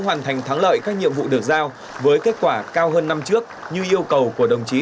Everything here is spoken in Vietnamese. hoàn thành thắng lợi các nhiệm vụ được giao với kết quả cao hơn năm trước như yêu cầu của đồng chí